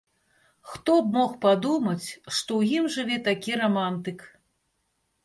Хто б мог падумаць, што ў ім жыве такі рамантык!